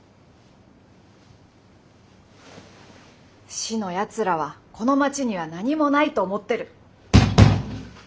市のやつらはこの町には何もないと思ってる。